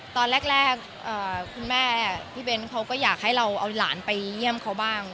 ตอนแรกคุณแม่พี่เบ้นเขาก็อยากให้เราเอาหลานไปเยี่ยมเขาบ้าง